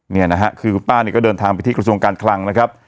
เนี่ยนะฮะคือคุณป้าเนี่ยก็เดินทางไปที่กระทรวงการคลังนะครับ